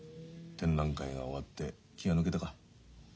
展覧会が終わって気が抜けたか。